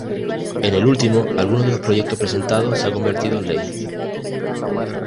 En el último, algunos de los proyectos presentados se ha convertido en ley.